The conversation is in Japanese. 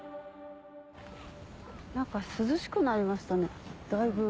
涼しくなりましたねだいぶ。